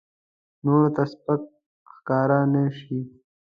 نورو ته سپک ښکاره نه شي.